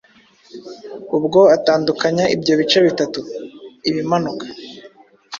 ubwo atandukanya ibyo bice bitatu - Ibimanuka,